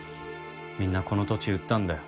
みんなこの土地売ったんだよ